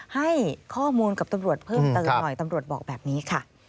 ให้ข้อมูลกับตำรวจเพิ่มเติมหน่อยตำรวจบอกแบบนี้ค่ะ